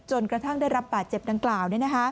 กระทั่งได้รับบาดเจ็บดังกล่าว